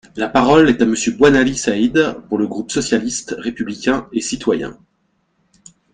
La parole est à Monsieur Boinali Said, pour le groupe socialiste, républicain et citoyen.